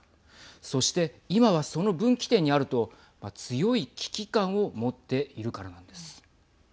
そして今は、その分岐点にあると強い危機感をもっているからなんです。